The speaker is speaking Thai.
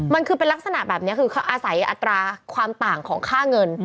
มันคือเป็นลักษณะแบบนี้คืออาศัยอัตราความต่างของค่าเงิน